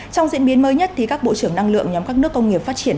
trong diễn biến mới nhất các bộ trưởng năng lượng nhóm các nước công nghiệp phát triển